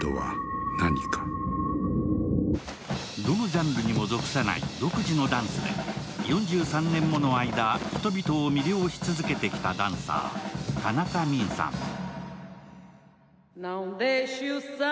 どのジャンルにも属さない独自のダンスで４３年もの間、人々を魅了し続けてきたダンサー、田中泯さん。